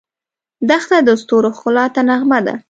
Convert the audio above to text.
دښته د ستورو ښکلا ته نغمه ده.